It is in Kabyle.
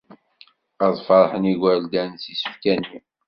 Ad feṛḥen yigerdan s yisefka-nni.